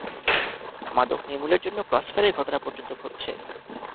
মাদক নির্মূলের জন্য ক্রসফায়ারের ঘটনা পর্যন্ত ঘটছে।